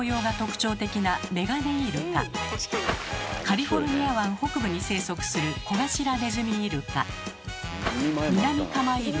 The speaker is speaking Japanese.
カリフォルニア湾北部に生息するコガシラネズミイルカ。